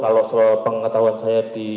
kalau pengetahuan saya di